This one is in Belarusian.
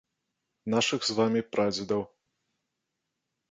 Нашых з вамі прадзедаў.